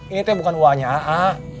ini tuh bukan uangnya aa